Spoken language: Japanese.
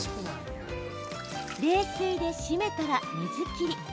冷水でしめたら、水切り。